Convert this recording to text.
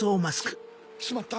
しまった！